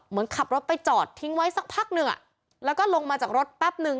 เหมือนขับรถไปจอดทิ้งไว้สักพักหนึ่งอ่ะแล้วก็ลงมาจากรถแป๊บนึง